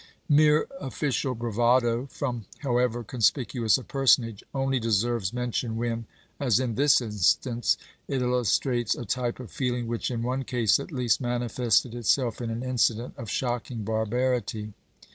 Mere official bravado, from however conspicuous a personage, only deserves mention when, as in this instance, it illustrates a type of feeling which in one case at least manifested itself in an incident of shocking barbarity.